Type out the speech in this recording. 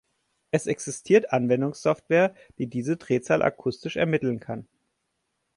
Es existiert Anwendungssoftware, die diese Drehzahl akustisch ermitteln kann.